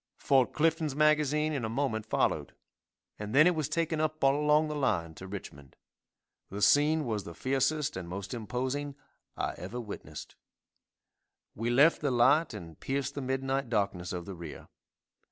Fort Clifton's magazine in a moment followed, and then it was taken up all along the line to Richmond. The scene was the fiercest and most imposing I ever witnessed. We left the light and pierced the midnight darkness of the rear.